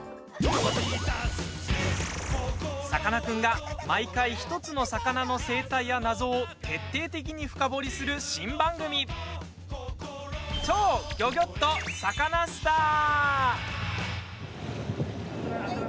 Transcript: さかなクンが毎回１つの魚の生態や謎を徹底的に深掘りする新番組「超ギョギョッとサカナ★スター」。